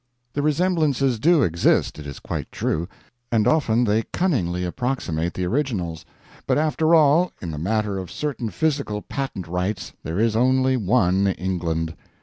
The resemblances do exist, it is quite true; and often they cunningly approximate the originals but after all, in the matter of certain physical patent rights there is only one England.